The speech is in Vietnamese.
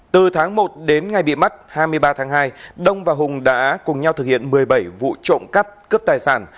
từ tháng một đến ngày bị bắt hai mươi ba tháng hai đông và hùng đã cùng nhau thực hiện một mươi bảy vụ trộm cắp cướp tài sản